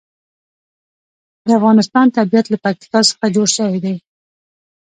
د افغانستان طبیعت له پکتیکا څخه جوړ شوی دی.